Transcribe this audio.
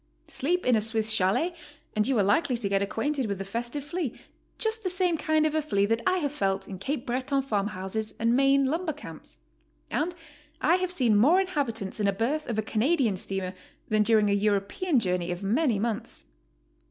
Sleep in a Swiss chalet and you are likely to get acquainted with the festive flea, just the same kind of a flea that I have felt in Cape Breton farm houses and Maine lumber camps. And I have seen more inhabitants in a berth of a Canadian steamer than during a European journey of many months.